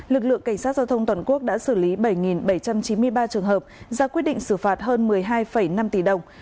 lực lượng cảnh sát giao thông toàn quốc đã xử lý bảy bảy trăm chín mươi ba trường hợp ra quyết định xử phạt hơn một mươi hai năm tỷ đồng